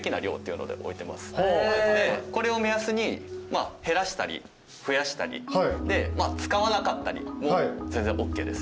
これを目安に減らしたり増やしたり使わなかったりも全然ＯＫです。